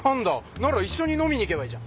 なら一緒に飲みに行けばいいじゃん。